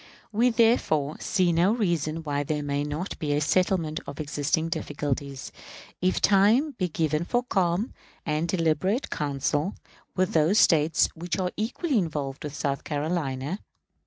We, therefore, see no reason why there may not be a settlement of existing difficulties, if time be given for calm and deliberate counsel with those States which are equally involved with South Carolina.